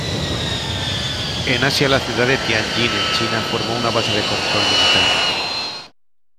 En Asia la ciudad de Tianjin en China formó una base de control militar.